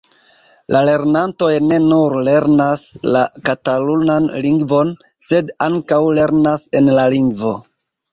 La lernantoj ne nur lernas la katalunan lingvon, sed ankaŭ lernas en la lingvo.